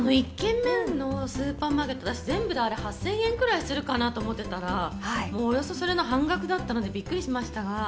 １軒目のスーパーマーケット、全部で８０００円ぐらいするかなと思っていたら、およそそれの半額だったのでびっくりしました。